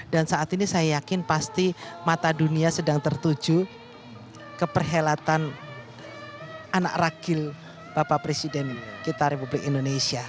dan saat ini saya yakin pasti mata dunia sedang tertuju ke perhelatan anak rakil bapak presiden kita republik indonesia